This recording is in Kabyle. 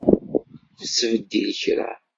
Ur ttbeddil kra.